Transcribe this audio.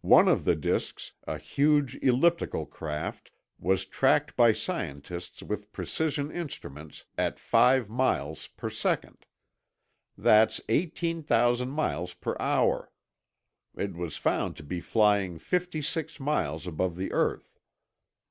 One of the disks, a huge elliptical craft, was tracked by scientists with precision instruments at five miles per second. That's 18,000 miles per hour. It was found to be flying fifty six miles above the earth.